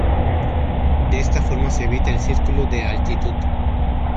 De esta forma se evita el círculo de altitud.